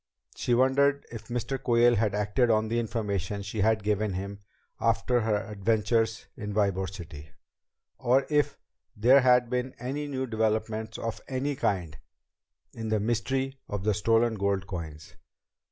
She wondered if Mr. Quayle had acted on the information she had given him after her adventures in Ybor City or if there had been any new developments of any kind in the mystery of the stolen gold coins.